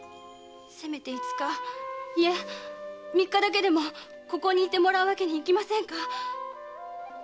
せめて五日いえ三日だけでもここに居てもらうわけにいきませんか？